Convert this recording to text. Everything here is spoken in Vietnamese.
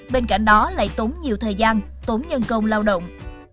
bên cạnh đó lại tốn nhiều thời gian tốn nhân công lao động